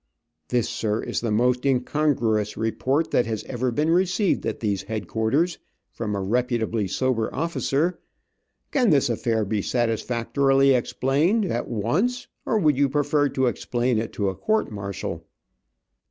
This, sir, is the most incongruous report that has ever been received at these head quarters, from a reputably sober officer. Can this affair be satisfactorily explained, at once, or would you prefer to explain it to a court martial?"